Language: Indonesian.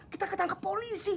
kita ditangkap polisi